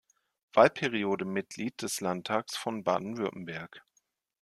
Wahlperiode Mitglied des Landtags von Baden-Württemberg.